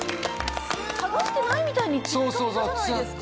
剥がしてないみたいにピッカピカじゃないですか。